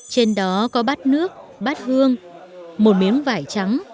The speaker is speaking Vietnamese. trên đó có bát nước bát hương một miếng vải trắng